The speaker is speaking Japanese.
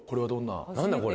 何だこれ？